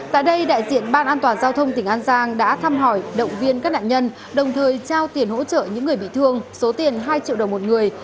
tại đây đại diện ban an toàn giao thông tỉnh an giang đã thăm hỏi động viên các nạn nhân đồng thời trao tiền hỗ trợ những người bị thương số tiền hai triệu đồng một người